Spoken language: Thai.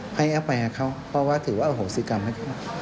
ให้เอาไปกับเขาเพราะว่าถือว่าอโหสิกรรมให้เขา